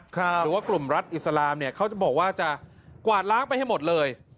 หรือว่ากลุ่มรัฐอิสลามเนี่ยเขาจะบอกว่าจะกวาดล้างไปให้หมดเลย